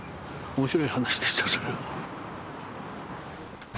面白い話でしたそれは。